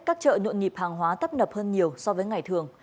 các chợ nhuộn nhịp hàng hóa tấp nập hơn nhiều so với ngày thường